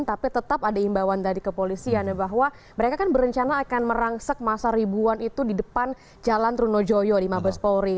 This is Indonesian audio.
tapi tetap ada imbauan dari kepolisian bahwa mereka kan berencana akan merangsek masa ribuan itu di depan jalan trunojoyo di mabes polri